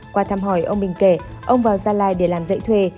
qua thăm hỏi ông minh kể ông vào gia lai để làm dạy thuê